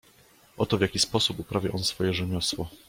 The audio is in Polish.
"Oto w jaki sposób uprawia on swoje rzemiosło."